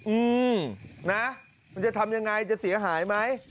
อืมนะมันจะทำยังไงจะเสียหายไหม